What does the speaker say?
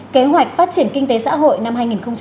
kế hoạch phát triển kinh tế xã hội năm hai nghìn hai mươi